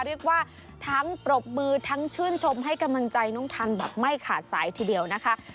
เรียกว่าทั้งปรบมือทั้งชื่นชมให้กำลังใจน้องทันแบบไม่ขาดสายทีเดียวนะคะ